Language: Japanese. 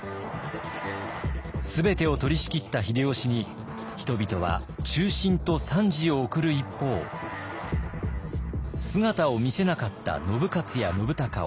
全てを取りしきった秀吉に人々は忠臣と賛辞を送る一方姿を見せなかった信雄や信孝を非難。